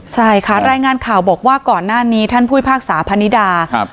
ใช่ค่ะรายงานข่าวบอกว่าก่อนหน้านี้ท่านผู้พิพากษาพนิดาครับ